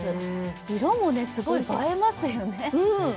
色もすごい映えますよね。